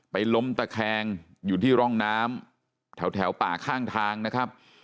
ล้มตะแคงอยู่ที่ร่องน้ำแถวป่าข้างทางนะครับ